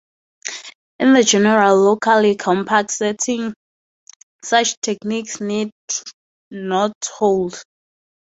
In the general locally compact setting, such techniques need not hold.